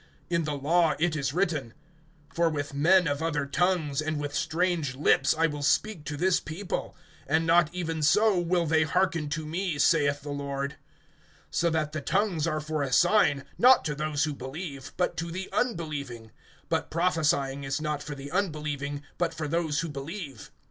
(21)In the law it is written: For with men of other tongues, and with strange lips, I will speak to this people; And not even so will they hearken to me, saith the Lord. (22)So that the tongues are for a sign, not to those who believe, but to the unbelieving; but prophesying is not for the unbelieving, but for those who believe.